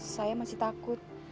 saya masih takut